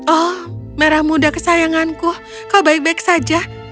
oh merah muda kesayanganku kau baik baik saja